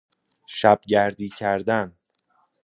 شبگردی کردن